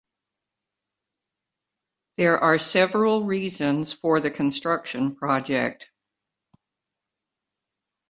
There are several reasons for the construction project.